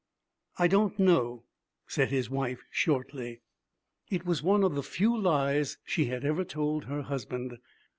'I don't know,' said his wife shortly. It was one of the few lies she had ever told her husband.